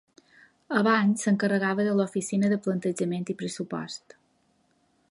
Abans s'encarregava de l'Oficina de Plantejament i Pressupost.